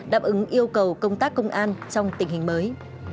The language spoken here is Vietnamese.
đáp ứng yêu cầu công tác công an trong tình hình mới